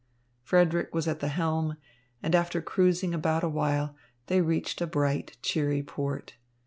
Frederick was at the helm, and after cruising about a while, they reached a bright, cheery port.